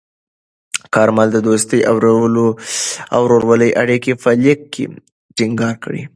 کارمل د دوستۍ او ورورولۍ اړیکې په لیک کې ټینګار کړې.